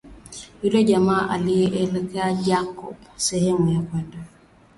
Yule jamaa alimuelekeza Jacob sehemu ya kwenda